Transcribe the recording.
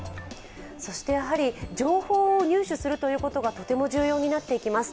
情報を入手するということがとても大事になってきます。